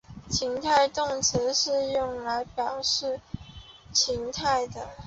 情态动词是用来表示情态的。